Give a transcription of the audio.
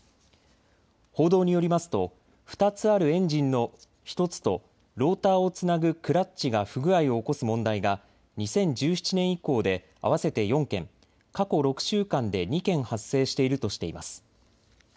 報道によりますと２つあるエンジンの１つとローターをつなぐクラッチが不具合を起こす問題が２０１７年以降で合わせて４件、過去６週間で２件発生しているとしています。